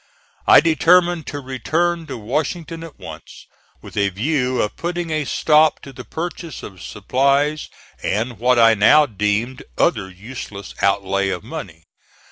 I determined to return to Washington at once, with a view to putting a stop to the purchase of supplies, and what I now deemed other useless outlay of money.